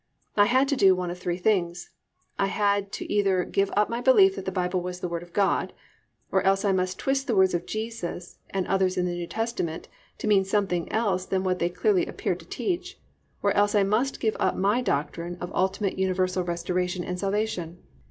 I had to do one of three things: I had to either give up my belief that the Bible was the Word of God, or else I must twist the words of Jesus (and others in the New Testament) to mean something else than what they clearly appeared to teach, or else I must give up my doctrine of ultimate universal restoration and salvation.